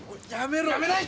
やめない！